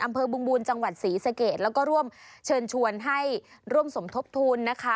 อำเภอบุงบูลจังหวัดศรีสเกตแล้วก็ร่วมเชิญชวนให้ร่วมสมทบทุนนะคะ